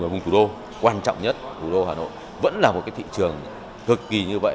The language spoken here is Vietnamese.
vùng thủ đô quan trọng nhất thủ đô hà nội vẫn là một thị trường cực kỳ như vậy